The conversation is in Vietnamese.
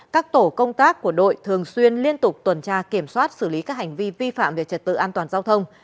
các tổ công tác của đội thường xuyên liên tục tuần tra kiểm soát xử lý các hành vi vi phạm về trật tự an toàn giao thông